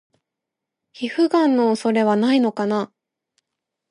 皮膚ガンの恐れはないのかな？